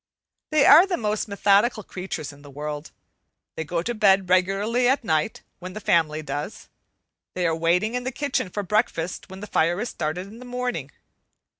They are the most methodical creatures in the world. They go to bed regularly at night when the family does. They are waiting in the kitchen for breakfast when the fire is started in the morning.